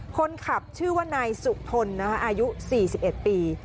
คนขับชื่อว่านายสุทนอายุ๔๑ปี